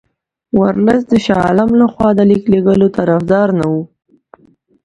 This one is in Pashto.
ورلسټ د شاه عالم له خوا د لیک لېږلو طرفدار نه وو.